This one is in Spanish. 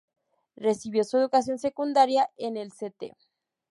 Recibió su educación secundaria en el St.